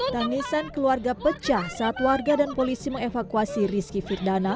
tangisan keluarga pecah saat warga dan polisi mengevakuasi rizky firdana